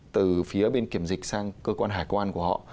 từ phía bên kiểm dịch sang cơ quan hải quan của họ